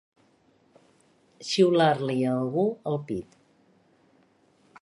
Xiular-li a algú el pit.